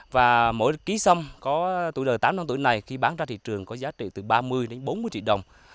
và mỗi ký xâm có tuổi đời tám năm tuổi này khi bán ra thị trường có giá trị từ ba mươi đến bốn mươi triệu đồng